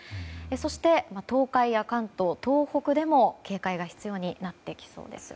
そして東海や関東、東北でも警戒が必要になってきそうです。